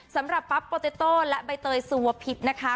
สำหรับปั๊บโปเตโต้และใบเตยสุวพิษนะคะ